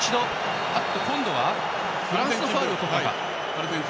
今度はフランスのファウルか。